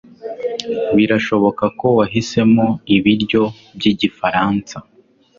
Birashoboka ko wahisemo ibiryo byigifaransa.